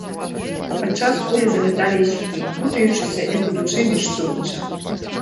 Падчас кулі заляталі і сюды, путаючыся і гудучы між сучча.